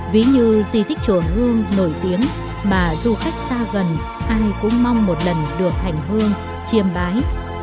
ví như di tích chùa hương nổi tiếng mà du khách xa gần ai cũng mong một lần được hành hương chiêm bái